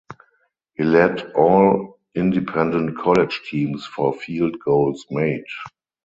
He led all independent college teams for field goals made.